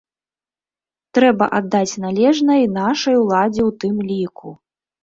Трэба аддаць належнае і нашай уладзе ў тым ліку.